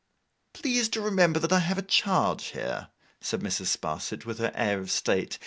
'Please to remember that I have a charge here,' said Mrs. Sparsit, with her air of state.